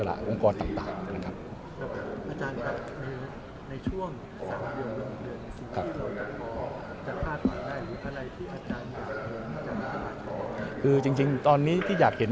พี่จริงจากนั้นตอนนี้อยากมองมากที่จะมากขึ้น